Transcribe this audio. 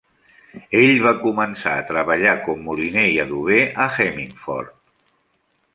Ell va començar a treballar com moliner i adober a Hemmingford.